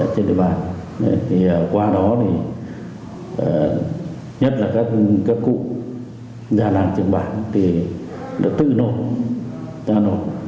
trên đề bản thì qua đó thì nhất là các cụ ra làng trường bản thì đã tự nộp giao nộp